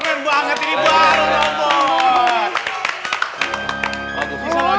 men banget ini baru robot